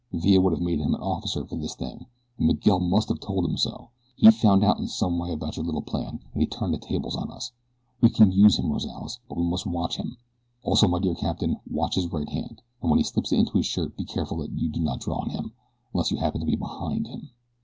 Villa would have made him an officer for this thing, and Miguel must have told him so. He found out in some way about your little plan and he turned the tables on us. We can use him, Rozales, but we must watch him. Also, my dear captain, watch his right hand and when he slips it into his shirt be careful that you do not draw on him unless you happen to be behind him."